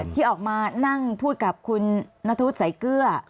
ที่ออกมานั่งพูดกับคุณนัทธวุฒิสายเกลือ